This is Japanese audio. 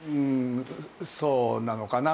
そうなのかな？